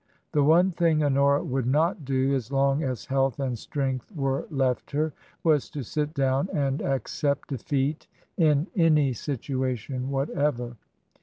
The one thing Honora would not do as long as health and strength were left her, was to sit down and accept defeat in any situation whatever.